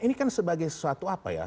ini kan sebagai sesuatu apa ya